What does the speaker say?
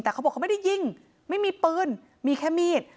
แต่เขาบอกเขาไม่ได้ยิงไม่มีปืนมีแค่มีด